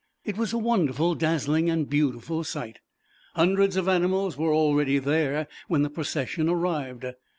It was a wonderful, dazzling, and beautiful sight. Hundreds of Animals were al ready there when the Procession arrived.